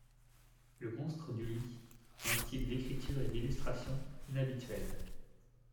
Le monstre du lit a un style d’écriture et d’illustration inhabituelle.